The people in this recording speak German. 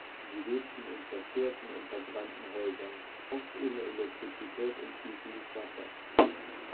Sie lebten in zerstörten und verbrannten Häusern, oft ohne Elektrizität und fließendes Wasser.